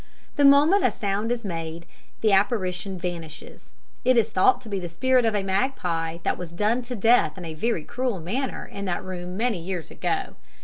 The moment a sound is made the apparition vanishes. It is thought to be the spirit of a magpie that was done to death in a very cruel manner in that room many years ago.